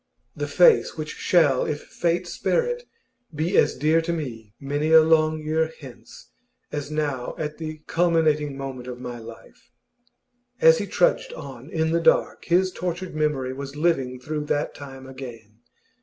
The face which shall, if fate spare it, be as dear to me many a long year hence as now at the culminating moment of my life! As he trudged on in the dark, his tortured memory was living through that time again.